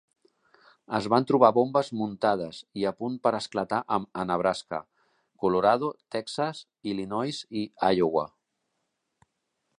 Es van trobar bombes muntades i a punt per esclatar a Nebraska, Colorado, Texas, Illinois i Iowa.